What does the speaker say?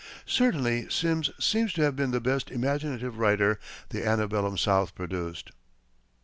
Certainly Simms seems to have been the best imaginative writer the antebellum South produced.